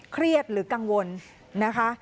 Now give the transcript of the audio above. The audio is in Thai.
เครียดหรือกังวลนะคะ